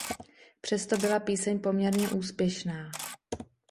Přesto byla píseň poměrně úspěšná.